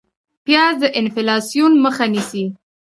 پیاز د انفلاسیون مخه نیسي